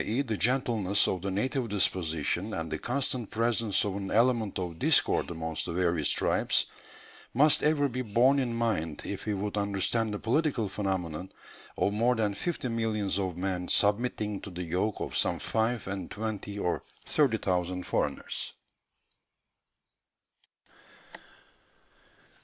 e. the gentleness of the native disposition and the constant presence of an element of discord amongst the various tribes, must ever be borne in mind if we would understand the political phenomenon of more than fifty millions of men submitting to the yoke of some five and twenty or thirty thousand foreigners."